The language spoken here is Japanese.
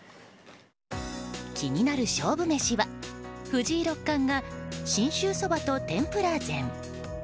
気になる勝負メシは藤井六冠が信州そばと天ぷら膳。